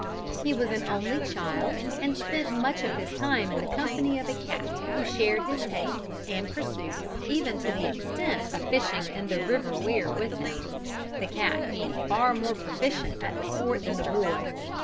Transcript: He was an only child and spent much of his time in the company of a cat who shared his tastes and pursuits even to the extent of fishing in the River Weir with him, the cat being far more proficient at the sport than the boy.